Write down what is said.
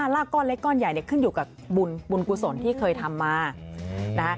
ลากก้อนเล็กก้อนใหญ่ขึ้นอยู่กับบุญกุศลที่เคยทำมานะคะ